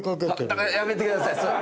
だからやめてください。